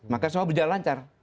maka semua berjalan lancar